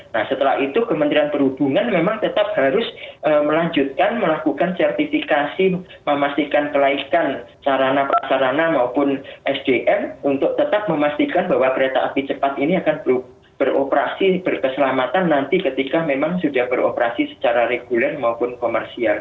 nah setelah itu kementerian perhubungan memang tetap harus melanjutkan melakukan sertifikasi memastikan kelaikan sarana prasarana maupun sdm untuk tetap memastikan bahwa kereta api cepat ini akan beroperasi berkeselamatan nanti ketika memang sudah beroperasi secara reguler maupun komersial